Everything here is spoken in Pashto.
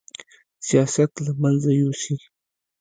سیاست له منځه یوسي